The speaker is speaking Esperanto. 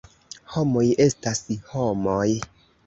Homoj estas homoj.